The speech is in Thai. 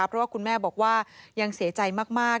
เพราะว่าคุณแม่บอกว่ายังเสียใจมาก